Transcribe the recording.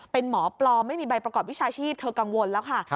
เป็นหมอปลอมไม่มีใบประกอบวิชาชีพเธอกังวลแล้วค่ะ